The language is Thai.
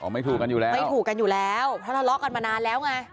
ไม่ถูกกันอยู่แล้วไม่ถูกกันอยู่แล้วเพราะทะเลาะกันมานานแล้วไง